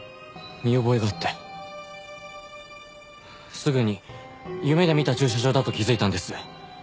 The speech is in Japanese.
すぐに夢で見た駐車場だと気づいたんです。